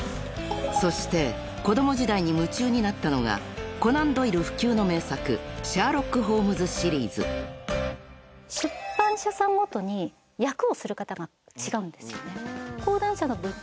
［そして子供時代に夢中になったのがコナン・ドイル不朽の名作『シャーロック・ホームズ』シリーズ］出版社さんごとに訳をする方が違うんですよね。